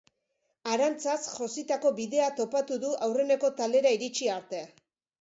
Arantzaz jositako bidea topatu du aurreneko taldera iritsi arte.